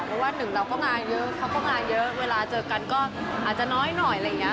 เพราะว่าหนึ่งเราก็งานเยอะเขาก็งานเยอะเวลาเจอกันก็อาจจะน้อยหน่อยอะไรอย่างนี้